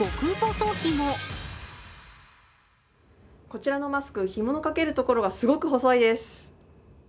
こちらのマスク、ひものかけるところがすごく細いです。